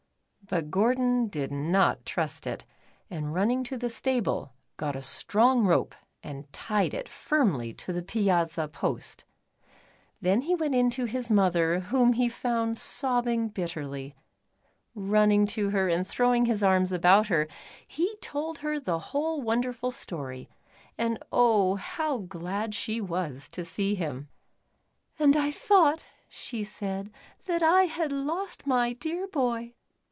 But Gordon did not trust it, and running to the stable, got a strong rope and tied it firmly to the piazza post. Then he went in to his mother, whom he found sobbing bitterly. Running to her and throwing his arms about her, he told her the whole wonderful story, and oh, how glad she was to see him. "And I thought," she said, "that I had lost my dear boy.